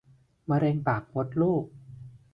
มะเร็งปากมดลูก